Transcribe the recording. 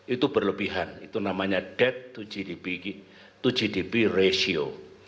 itu berlebihan itu namanya dead to gdp ratio